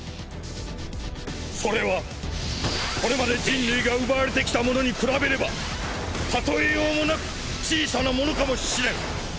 それはこれまで人類が奪われてきたモノに比べれば例えようもなく小さなモノかもしれん。